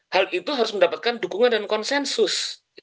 hal itu harus mendapatkan dukungan dan konsensus